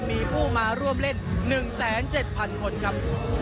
มีผู้มาร่วมเล่น๑แสน๗พันคนครับ